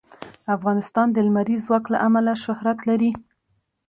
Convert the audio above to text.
افغانستان د لمریز ځواک له امله شهرت لري.